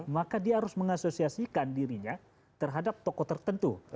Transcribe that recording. maka dia harus mengasosiasikan dirinya terhadap tokoh tertentu